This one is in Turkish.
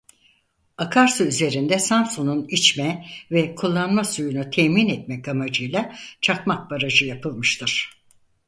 Akarsu üzerinde Samsun'un içme ve kullanma suyunu temin etmek amacıyla Çakmak Barajı yapılmıştır.